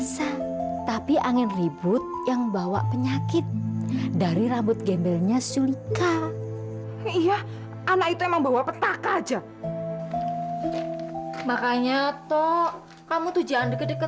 sampai jumpa di video selanjutnya